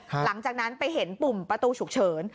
หลังจากนั้นไปเห็นปุ่มประตูฉุกเฉิน